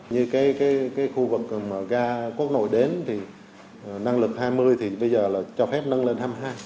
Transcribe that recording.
như cái khu vực mà ga quốc nội đến thì năng lực hai mươi thì bây giờ là cho phép nâng lên hai mươi hai